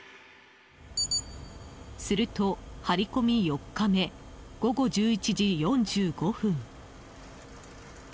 すると、張り込み４日目午後１１時４５分。